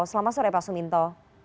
selamat sore pak suminto